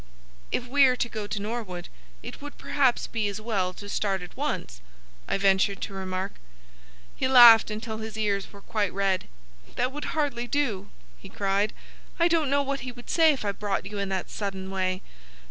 "If we are to go to Norwood it would perhaps be as well to start at once," I ventured to remark. He laughed until his ears were quite red. "That would hardly do," he cried. "I don't know what he would say if I brought you in that sudden way.